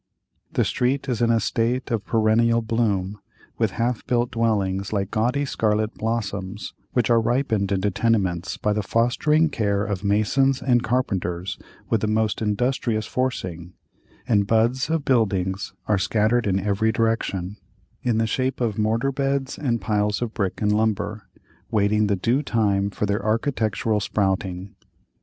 The street is in a state of perennial bloom with half built dwellings like gaudy scarlet blossoms, which are ripened into tenements by the fostering care of masons and carpenters with the most industrious forcing; and buds of buildings are scattered in every direction, in the shape of mortar beds and piles of brick and lumber, waiting the due time for their architectural sprouting.